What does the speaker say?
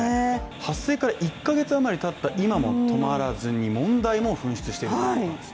発生から１か月余りたった今も止まらずに問題も噴出しているんです。